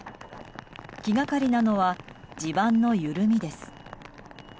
気がかりなのは地盤の緩みです。